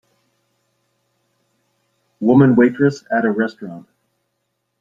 Woman waitress at a restaurant